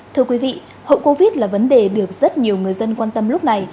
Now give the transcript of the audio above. thưa quý vị hậu covid là vấn đề được rất nhiều người dân quan tâm lúc này